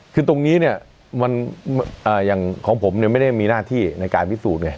คือตรงนี้เนี่ยอย่างของผมเนี่ยไม่ได้มีหน้าที่ในการพิสูจน์ไง